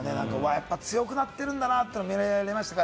やっぱり強くなってるんだなっていうのを見られました。